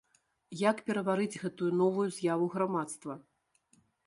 Як пераварыць гэтую новую з'яву грамадства?